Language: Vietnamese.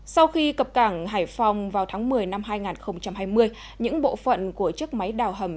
sau khi cập cảng hải phòng vào tháng một mươi năm hai nghìn hai mươi những bộ phận của chiếc máy đào hầm